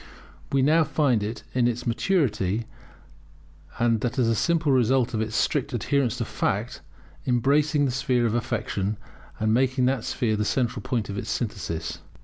We now find it, in its maturity, and that as a simple result of its strict adherence to fact, embracing the sphere of affection, and making that sphere the central point of its synthesis.